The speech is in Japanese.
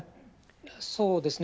そうですね。